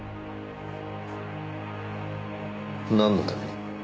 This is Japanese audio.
なんのために？